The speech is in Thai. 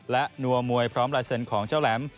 และนัวมวยพร้อมลายเซ็นต์ของเจ้าแหลม